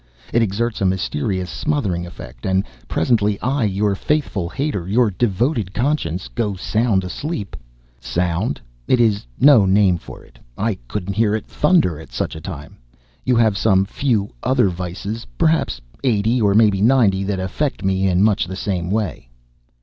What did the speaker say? It exerts a mysterious, smothering effect; and presently I, your faithful hater, your devoted Conscience, go sound asleep! Sound? It is no name for it. I couldn't hear it thunder at such a time. You have some few other vices perhaps eighty, or maybe ninety that affect me in much the same way."